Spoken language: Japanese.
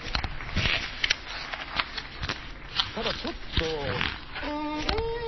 ただちょっと。